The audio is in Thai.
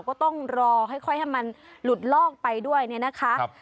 ก็ต้องรอให้ค่อยให้มันหลุดลอกไปด้วยนะคะ